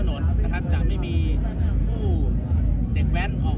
ลดลาจากที่ตอนหลัง